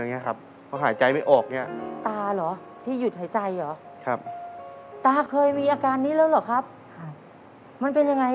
ที่หยุดหายใจหรือครับท่าเคยมีอาการนี้แล้วหรือครับมันเป็นอย่างไรครับ